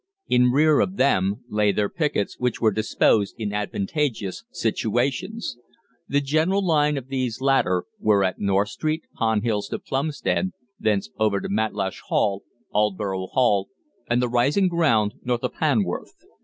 In rear of them lay their pickets, which were disposed in advantageous situations. The general line of these latter were at North Street, Pondhills to Plumstead, thence over to Matlash Hall, Aldborough Hall, and the rising ground north of Hanworth.